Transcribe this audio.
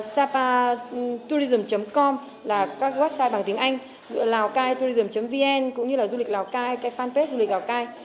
sapatourism com là các website bằng tiếng anh lào cai tourism vn cũng như là du lịch lào cai fanpage du lịch lào cai